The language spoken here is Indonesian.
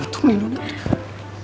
jatuh nih dong